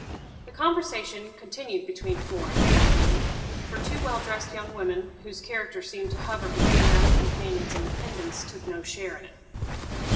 The conversation continued between Flora and Waverley; for two well dressed young women, whose character seemed to hover between that of companions and dependants, took no share in it.